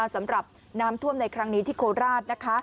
สำหรับน้ำท่วมในครั้งนี้ที่โคราช